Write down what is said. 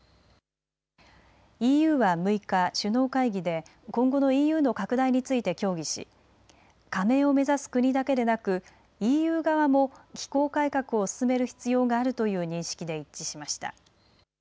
ＥＵは６日、首脳会議で今後のＥＵの拡大について協議し加盟を目指す国だけでなくＥＵ側も機構改革を進める必要があるという認識で一致しました。